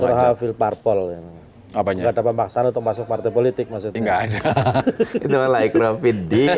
ini masih ke salmon garis voicenya jadi selalu selalu masih banyak penele vegas atau kraus dark